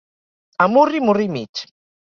A murri, murri i mig.